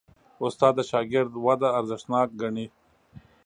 استاد د شاګرد وده ارزښتناک ګڼي.